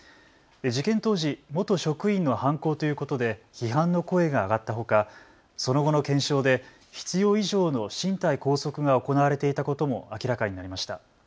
事件当時、元職員の犯行ということで批判の声が上がったほかその後の検証で必要以上の身体拘束が行われていたことも明らかになりました。